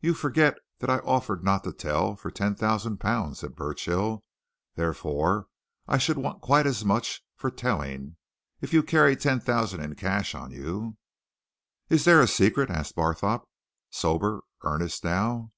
"You forget that I offered not to tell for ten thousand pounds," said Burchill. "Therefore I should want quite as much for telling. If you carry ten thousand in cash on you " "Is there a secret?" asked Barthorpe. "Sober earnest, now?"